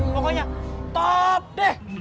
pokoknya top deh